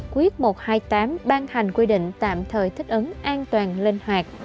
quyết một trăm hai mươi tám ban hành quy định tạm thời thích ứng an toàn linh hoạt